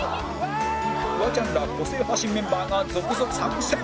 フワちゃんら個性派新メンバーが続々参戦！